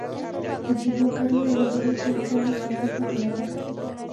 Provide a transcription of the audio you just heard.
Consiguió el cargo de Abogado de los Reales Consejos de la Corte.